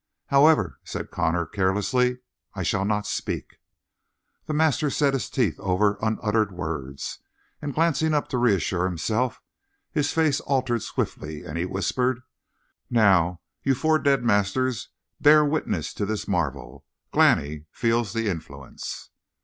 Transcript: "However," said Connor carelessly, "I shall not speak." The master set his teeth over unuttered words, and glancing up to reassure himself, his face altered swiftly, and he whispered: "Now, you four dead masters, bear witness to this marvel! Glani feels the influence!"